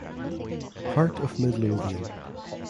Heart of Midlothian